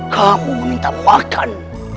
kamu minta makan